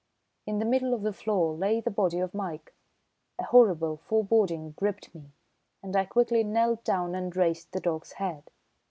In the middle of the floor lay the body of Mike. A horrible foreboding gripped me, and I quickly knelt down and raised the dog's head.